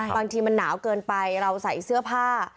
บางทีมันหนาวเกินไปเราใส่เสื้อผ้า